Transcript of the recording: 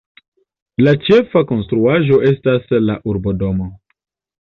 La ĉefa konstruaĵo estas la Urbodomo.